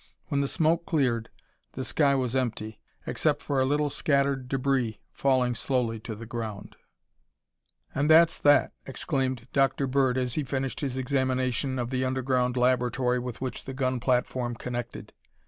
When the smoke cleared the sky was empty, except for a little scattered debris falling slowly to the ground. "And that's that!" exclaimed Dr. Bird as he finished his examination of the underground laboratory with which the gun platform connected.